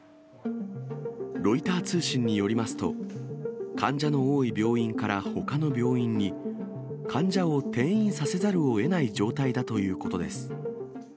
ロイター通信によりますと、患者の多い病院からほかの病院に、患者を転院させざるをえない状態だということです。